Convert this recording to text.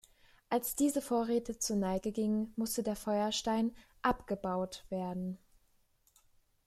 Als diese Vorräte zur Neige gingen musste der Feuerstein „abgebaut“ werden.